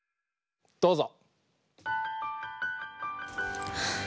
どうぞ！